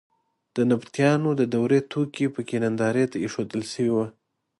د نبطیانو د دورې توکي په کې نندارې ته اېښودل شوي وو.